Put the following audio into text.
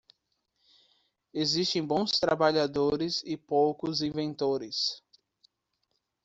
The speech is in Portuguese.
Existem bons trabalhadores e poucos inventores.